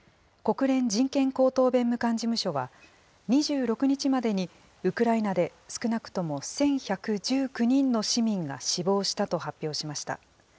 国連人権高等弁務官事務所は、２６日までにウクライナで少なくとも１１１９人の市民が死亡したと発表しました。